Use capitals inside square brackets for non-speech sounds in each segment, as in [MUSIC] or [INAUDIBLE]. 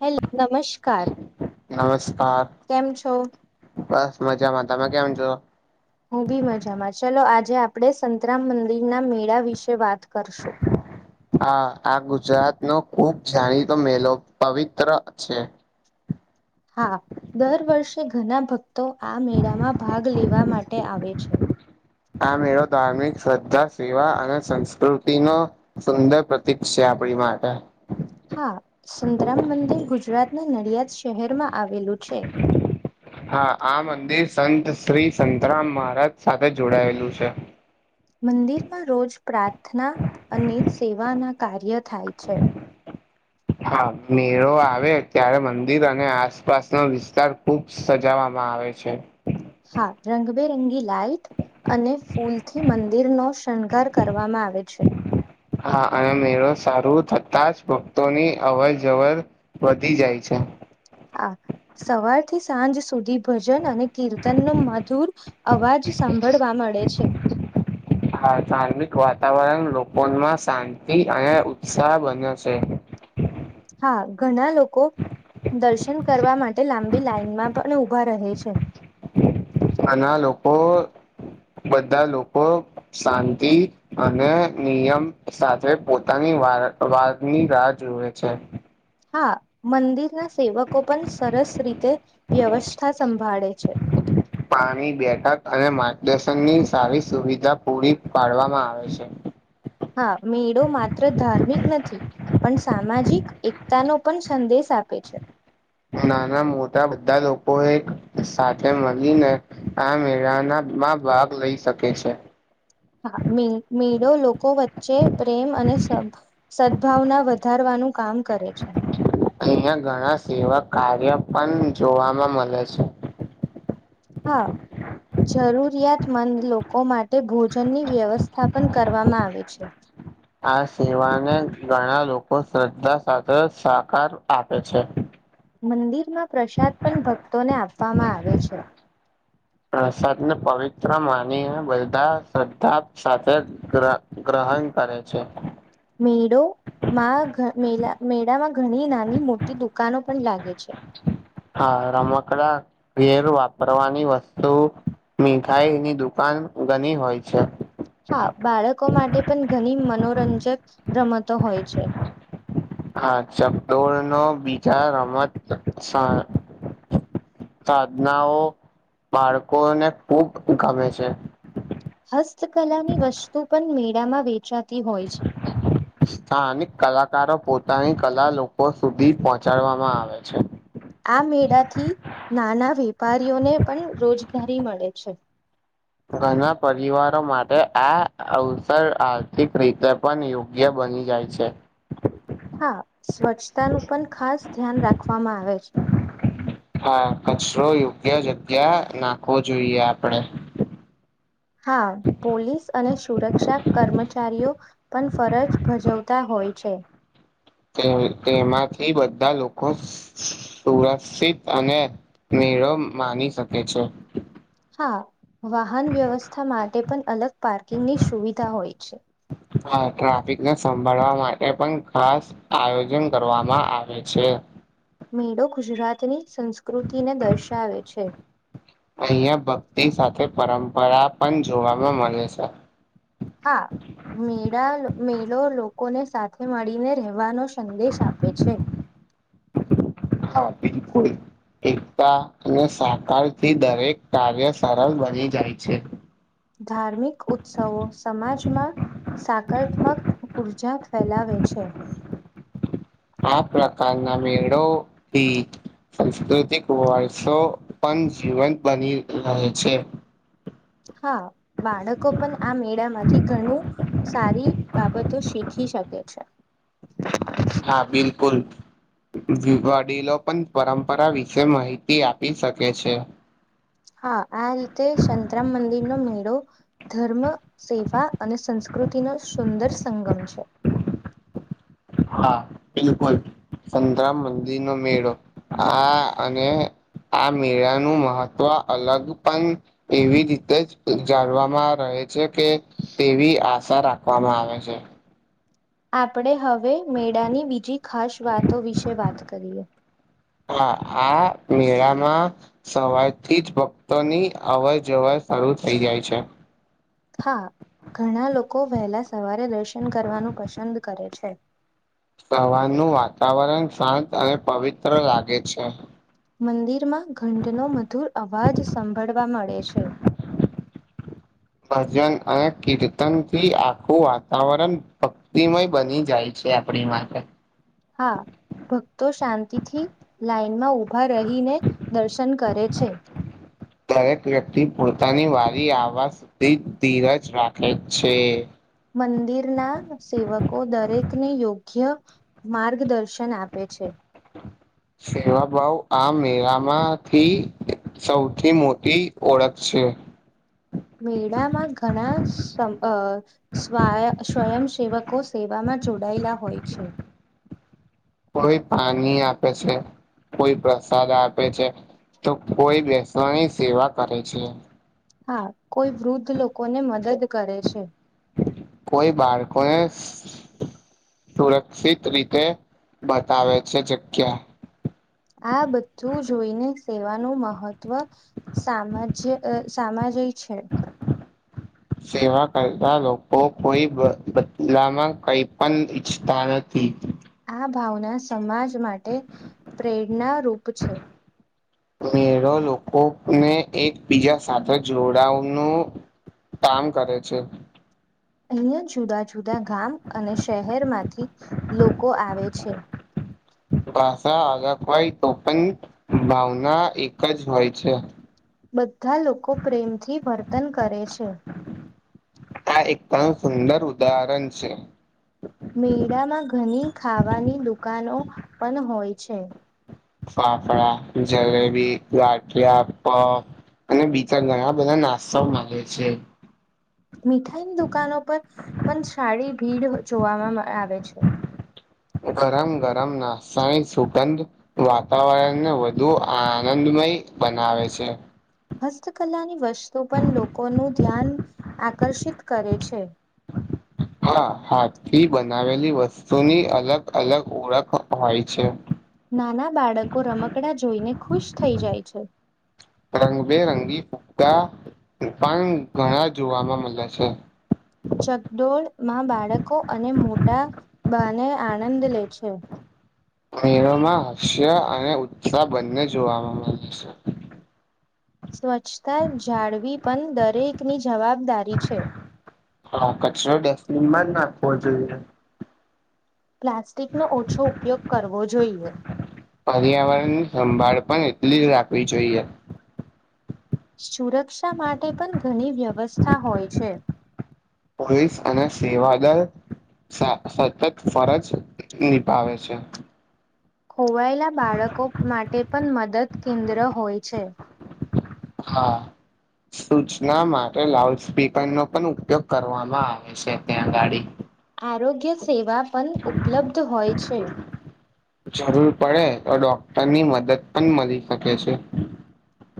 Hello નમસ્ નમસ્કાર. કેમ છો. બસ મજામાં તમે કેમ છો. હું બી મજામાં ચલો આજે આપણે સંતરામ મંદિરના મેળા વિશે વાત કરશું. હા આ ગુજરાત નો ખુબ જાણીતો મેલો પવિત્ર છે. હા દર વર્ષે ઘણા ભક્તો આ મેળામાં ભાગ લેવા માટે આવે છે. આ મેળો ધાર્મિક શ્રદ્ધા સેવા અને સંસ્કૃતિનો સુંદર પ્રતીક છે આપડી માટે. હા સંતરામ મંદિર ગુજરાતના નડિયાદ શહેરમાં આવેલું છે. હા આ મંદિર સંત શ્રી સંતરામ મહારાજ સાથે જોડાયેલું છે. મંદિરમાં રોજ પ્રાર્થના અને સેવાના કાર્ય થાય છે. [INAUDIBLE] હા મેળો આવે ત્યારે મંદિર અને આસપાસ ન વિસ્તાર ખૂબ સજવામાં આવે છે. હા રંગબેરંગી લાઇટ અને ફૂલથી મંદિરનો શણગાર કરવામાં આવે છે. હા અને મેળો સારું થતા જ ભક્તોની અવર જવર વધી જાય છે. હા સવારથી સાંજ સુધી ભજન અને કીર્તન ન મધુર અવાજ સાંભળવા મળે છે. હા ધાર્મિક વાતાવરણ લોકોમાં શાંતિ અને ઉત્સાહ બન્યો છે. હા ઘણા લોકો દર્શન કરવા માટે લાંબી લાાઈનમાં પણ ઊભા રહે છે. અને ઘના લોકો બધા લોકો શાંતિ અને નિયમ સાથે પોતાની વારવારની રાહ જોુએ છે. હા મંદિરના સેવકો પણ સરસ રીતે વ્યવસ્થા સંભાળે છે. [INAUDIBLE] પાણી બેઠક અને માર્ગદર્શન ની સારી સુવિધા પૂરી પાડવામાં આવે છે. હા મેળો માત્ર ધાર્મિક નથી. પણ સામાજિક એકતા નો પણ સંદેશ આપે છે. નાના મોટા બધા લોકોએ સાથે મળીને આ મેળાના માં ભાગ લઈ શકે છે. હા મે મેળો લોકો વચ્ચે પ્રેમ અને સબ સદ્દભાવના વધારવાનું કામ કરે છે. અહિયાં ઘણા સેવા કાર્ય પણ જોવાવામાં મળે છે. હા જરૂરિયાતમંદ લોકો માટે ભોજનની વ્યવસ્થા પણ કરવામાં આવે છે આ સેવાને ઘણા લોકો શ્રદ્ધા સાથે સકાર આપે છે. મંદિરમાં પ્રસાદ પણ ભક્તોને આપવામાં આવે છે. પ્રસાદ ને પવિત્ર માનીને બધા શ્રદ્ધા સાથે ગહ ગ્રહણ કરે છે. મેળો માં મેળા મેળામાં ઘણી નાની મોટી દુકાનો પણ લાગે છે. હા રમકડા ઘેરો વાપરવાની વસ્તુ મીઠાઈની દુકાન ઘણી હોય છે. હા બાળકો માટે પણ ઘણી મનોરંજક રમતો હોય છે. હા ચકદોળ નો બીજા રમત સા સાધનાઓ બાળકોને ખુબ ગમે છે. હસ્તકલાની વસ્તુ પણ મેળામાં વેચાતી હોય છે. સ્થાનિક કલાકારો પોતાની કલા લોકો સુધી પહોચાડવામાં આવે છે. આ મેળાથી નાના વેપારીઓને પણ રોજગારી મળે છે. ઘણા પરિવારો માટે આ અવસર આર્થિક રીતે પણ યોગ્ય બની જાય છે. હા સ્વચ્છતા નું પણ ખાસ ધ્યાન રાખવામાં આવે છે. હા કચરો યોગ્ય જગ્યા નાખવો જોઈએ આપડે. હા પોલીસ અને સુરત રક્ષા કર્મચારીઓ પણ ફરજ ભજવતા હોય છે. તે તેમાંથી બધા લોકો સુ રક્ષિત અને મેળો માની શકે છે. હા વાહન વ્યવસ્થા માટે પણ અલગ પાર્કિંગની સુવિધા હોય છે. હા ટ્રાફિકને સંભાળવા માટે પણ ખાસ આયોજન કરવામાં આવે છે. મેળો ગુજરાત ની સંસ્કૃતિને દર્શાવે છે. અહિયાં ભક્તિ સાથે પરંપરા પણ જોવાવામાં મળે છે. હા. મેળા મેળો લોકોને સાથે મળીને રહેવાનો સંદેશ આપે છે. હા બિલકુલ. એકતા અને સહકારથી દરેક કાર્ય સરળ બની જાય છે. ધાર્મિક ઉત્સવો સમાજમાં સાકારત્મક ઉર્જા ફેલાવે છે. આ પ્રકારના મેળો થી સાંસ્કૃતિક વર્ષ પણ જીવંત બની રહે છે. હા બાળકો પણ આ મેળામાંથી ઘણું સારી બાબતો શીખી શકે છે. હા બિલકુલ. વડીલો પણ પરંપરા વિશે માહિતી આપી શકે છે. હા આ રીતે સંતરામ મંદિરનો મેળો ધર્મ સેવા અને સંસ કૃતિ નો સુંદર સંગમ છે. હા બિલકુલ સંતરામ મંદિર નો મેળો આ અને આ મેળાનું મહત્વ અલગ પણ એવી રીતે જ જાણવામાં રહે છે કે તેવી આશા રાખવામાં આવે છે. આપણે હવે મેળાની બીજી ખાસ વાતો વિશે વાત કરીએ. હા આ મેળામાં સવારથી જ ભક્તોની અવર જવર શરૂુ થઇ જાય છે. હા ઘણા લોકો વહેલા સવારે દર્શન કરવાનું પસંદ કરે છે. સવારનું વાતાવરણ શાંત અને પવિત્ર લાગે છે. મંદિરમાં ઘંટનો મધુર અવાજ સાંભળવા મળે છે. ભજન અને કીર્તન થી આખું વાતાવરણ [UNINTELLIGIBLE] ધિમય બની જાય છે આપડી માટે. હા ભક્તો શાંતિથી લાઈનમાં ઉભા રહીને દર્શન કરે છે. દરેક વ્યક્તિ પોતાની વારી આવાજ સુધી ધીરજ રાખે છે. મંદિર ના સેવકો દરેકને યોગ્ય માર્ગદર્શન આપે છે. સેવાભાવ આ મેળામાંથી સૌથી મોટી ઓળખ છે. મેળામાં ઘણા સમ અ સ્ય સ્વયંસેવકો સેવામાં જોડાયેલા હોય છે. કોઈ પાણી આપે છે. કોઈ પ્રસાદ આપે છે તો કોઈ બેસવાની સેવા કરે છે. હા કોઈ વૃદ્ધ લોકો ને મદદ કરે છે કોઈ બાળકોને સુરક્ષિત રીતે બતાવે છે જગ્યા. આ બધું જોઈને સેવાનું મહત્વ સામાજ સામાજિક છે. [INAUDIBLE] સેવા કરતા લોકો કોઈ બદલામાં કઈ પણ ઈચ્છતા નથી. આ ભાવના સમાજ માટે પ્રેરણારૂપ છે. મેળો લોકોને એકબીજા સાથે જોડાનું. કામ કરે છે. અહિયાં જુદા જુદા ગામ અને શહેર માંથી લોકો આવે છે. ભાષા અલગ હોય તો પણ ભાવના એક જ હોય છે. બધા લોકો પ્રેમથી વર્તન કરે છે. આ એકદમ સુંદર ઉદાહરણ છે. મેળામાં ઘણી ખાવાની દુકાનો પણ હોય છે. ફાફડાા જલેબી ગાઠિયા પફ અને બીજા ઘણા બધા નાસ્તા માડે છે. મીઠાઈની દુકાનો પર પણ સારી ભીડ જોવામાં આવે છે. ગરમ ગરમ નાસ્તા સુગંધ વાતાવરણને વધુ આનંદમય બનાવે છે. હસ્તકલાની વસ્તુ પણ લોકોનું ધ્યાન આકર્ષિત કરે છે. હા હાથ થી બનાવેલી વસ્તુની અલગ અલગ ઓળખ હોય છે. નાના બાળકો રમકડા જોઈને ખુશ થઈ જાય છે. રંગબેરંગી ફા પણ ઘણા જોવાવામાં મળે છે. ચકડોળ માં બાળકો અને મોટા બાને આનંદ લે છે. મેળોમાં હાસ્ય અને ઉત્સાહ બંને જોવાવામાં મળે છે. સ્વચ્છતા જાળવી પણ દરેકની જવાબદારી છે હા કચરો ડેફનમાં જ નાખો જોઈએ પ્લાસ્ટિક નો ઓછો ઉપયોગ કરવો જોઈએ. પર્યાવરણની સંભાળ પણ એટલી જ રાખવી જોઈએ. સુરક્ષા માટે પણ ઘણી વ્યવસ્થા હોય છે. પોલીસ અને સેવાદળ સતત ફરજ નિભાવે છે. ખોવાયેલા બાળકો માટે પણ મદદ કેન્દ્ર હોય છે. હા. સૂચના માટે લાઉડ સ્પીકર નો પણ ઉપયોગ કરવામાં આવે છે ત્યાંગાડી આરોગ્ય સેવા પણ ઉપલબ્ધ હોય છે. જરૂર પડે તો ડોક્ટરની મદદ પણ મળી શકે છે.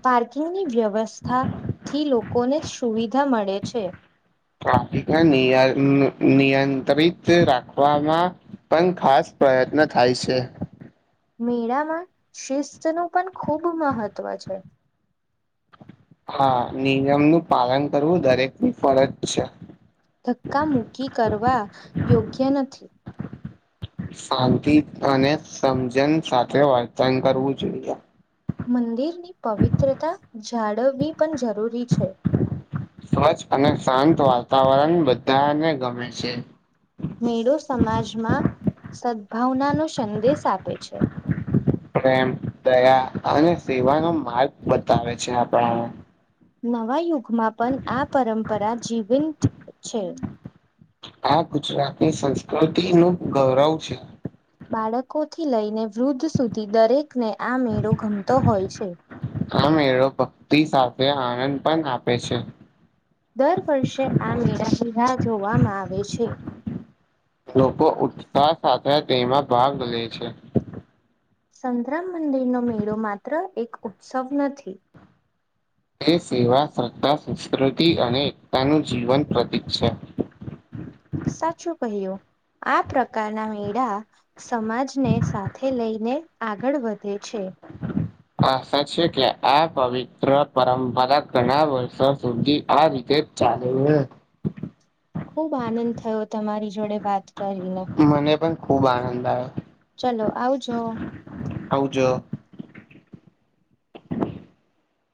પાર્કિંગની વ્યવસ્થા થી લોકોને સુવિધા મળે છે. ટ્રાફિકના નિયા નિ નિયંત્રિત રાખવામાં પન ખાસ પયત્ન થાય છે. મેળામાં શિસ્ત નું પણ ખૂબ મહત્ત્વ છે. હા, નિયમ નું પાલન કરવું દરેકની ફરજ છે. ધક્કા મૂક્કી કરવા યોગ્ય નથી. સાંતિ અને સમજન સાથે વર્તન કરવું જોઈએ. મંદિરની પવિત્રતા જાળવવી પણ જરૂરી છે. સ્વચ્છ અને શાંત વાતાવરણ બધાઆને ગમે છે. મેળો સમાજમાં સદભાવના નો સંદેશ આપે છે. પ્રેમ, દયા અને સેવાનો માર્ગ બતાવે છે આપણાને. નવા યુગમાં પન આ પરંપરા જીવંત છે. આ ગુજરાતની સંસ્કૃતિ નું ગવરવ છે. બાળકોથી લઈને વૃદ્ધ સુધી દરેકને આ મેળો ગમતો હોય છે. આ મેળો ભક્તિ સાથે આનંદ પન આપે છે. દર વર્ષે આ મેળાની રાહ જોવામાં આવે છે. લોકો ઉત્સાહ સાથે તેમાં ભાગ લે છે. સંતરમ મંદિરનો મેળો માત્ર એક ઉત્સવ નથી. તે સેવા, શ્રદ્ધા, સંસ્કૃતિ અને એકતાનું જીવન પ્રતીક છે. સાચું કહ્યું, આ પ્રકારના મેળા સમાજને સાથે લઈને આગળ વધે છે. આશા છે કે, આ પવિત્ર પરંપરા ઘણા વર્ષો સુધી આ રીતે ચાલ અવે. ખુબ આનંદ થયો તમારી જોડે વાત કરીને. મને પન ખુબ આનંદ આયો. ચલો, આવજો. આવજો.